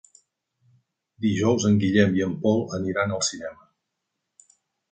Dijous en Guillem i en Pol aniran al cinema.